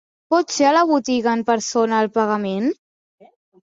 Pot ser a la botiga en persona el pagament?